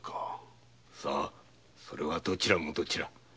さぁそれはどちらもどちら。